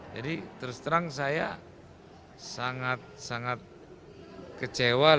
jadi terus terang saya sangat sangat kecewa